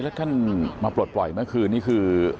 แล้วท่านมาปลดปล่อยเมื่อคืนนี้คือ